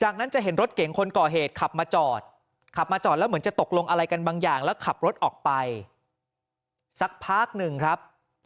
ขับมาจอดแล้วเหมือนจะตกลงอะไรกันบางอย่างแล้วขับรถออกไปสักพักหนึ่งครับ